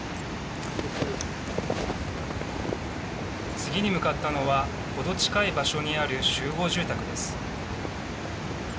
次に向かったのは程近い場所にある集合住宅です。